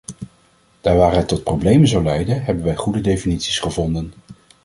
Daar waar het tot problemen zou leiden hebben wij goede definities gevonden.